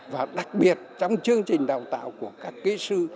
và đặc biệt trong chương trình đào tạo của các kỹ sư